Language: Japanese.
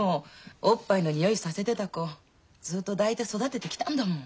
おっぱいのにおいさせてた子ずっと抱いて育ててきたんだもん。